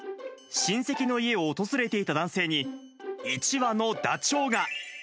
親戚の家を訪れていた男性に、一羽のダチョウが。